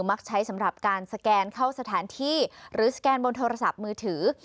มักใช้สำหรับการสแกนเข้าสถานที่หรือสแกนบนโทรศัพท์มือถือ